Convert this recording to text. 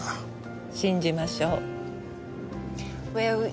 信じましょう。